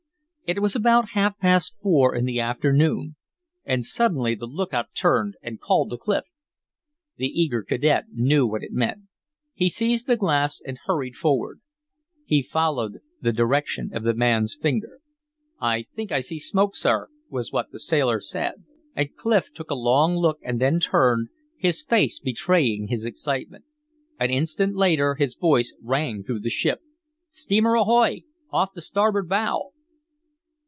It was about half past four in the afternoon, and suddenly the lookout turned and called to Clif. The eager cadet knew what it meant. He seized the glass and hurried forward. He followed the direction of the man's finger. "I think I see smoke, sir," was what the sailor said. And Clif took a long look and then turned, his face betraying his excitement. An instant later his voice rang through the ship. "Steamer ahoy off the starboard bow!"